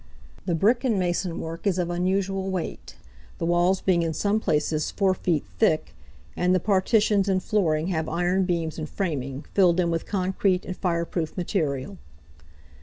The brick and mason work is of unusual weight, the walls being in some places four feet thick, and the partitions and flooring have iron beams and framing, filled in with concrete and fireproof material.